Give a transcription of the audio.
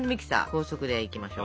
高速でいきましょう。